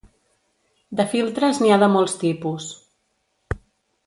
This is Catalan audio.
De filtres n'hi ha de molts tipus.